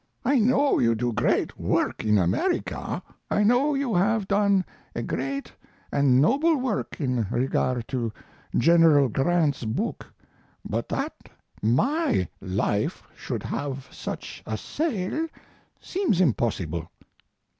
"I know you do great work in America; I know you have done a great and noble work in regard to General Grant's book, but that my Life should have such a sale seems impossible."